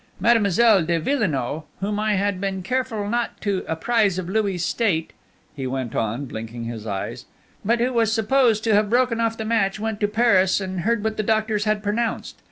Mademoiselle de Villenoix, whom I had been careful not to apprise of Louis' state," he went on, blinking his eyes, "but who was supposed to have broken off the match, went to Paris and heard what the doctors had pronounced.